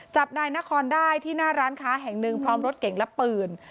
จับนายนครได้ที่หน้าร้านค้าแห่งหนึ่งพร้อมรถเก่งและปืน